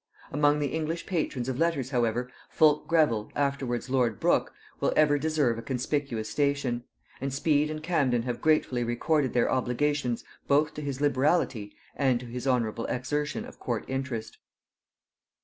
Among the English patrons of letters however, Fulke Greville, afterwards lord Brook, will ever deserve a conspicuous station; and Speed and Camden have gratefully recorded their obligations both to his liberality and to his honorable exertion of court interest.